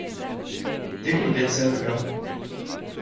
Det kunne den salve gøre.